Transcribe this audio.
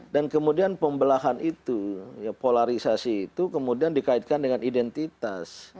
dan kemudian pembelahan itu polarisasi itu kemudian dikaitkan dengan identitas